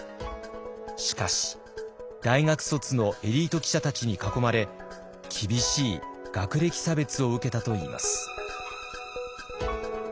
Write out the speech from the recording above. しかし大学卒のエリート記者たちに囲まれ厳しい学歴差別を受けたといいます。